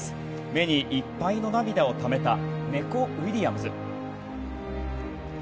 目にいっぱいの涙をためたネコ・ウィリアムズ。